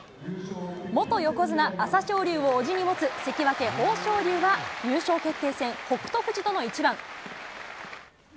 元横綱・朝青龍を叔父に持つ関脇・豊昇龍が優勝決定戦、北勝富士との一番。